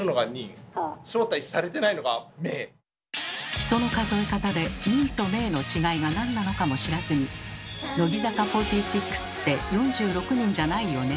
人の数え方で「人」と「名」の違いが何なのかも知らずに「乃木坂４６って４６人じゃないよね」